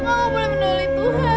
makanya boleh menolong tuhan